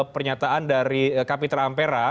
pernyataan dari kapitra ampera